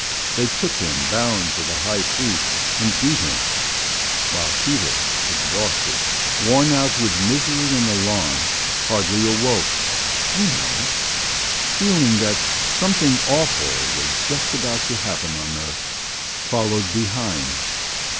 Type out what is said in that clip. They took Him bound to the high priest and beat Him, while Peter, exhausted, worn out with misery and alarm, hardly awake, you know, feeling that something awful was just going to happen on earth, followed behind....